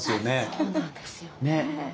そうなんですよね。